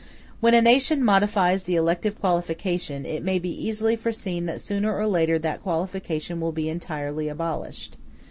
When a nation modifies the elective qualification, it may easily be foreseen that sooner or later that qualification will be entirely abolished.